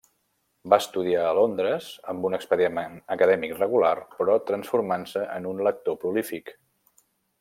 Va estudiar a Londres, amb un expedient acadèmic regular, però transformant-se en un lector prolífic.